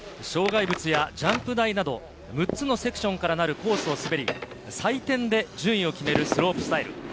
障害物やジャンプ台など６つのセクションからなるコースを滑り、採点で順位を決めるスロープスタイル。